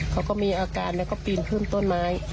เขาก็มีอาการแล้วก็ปีนขึ้นต้นไม้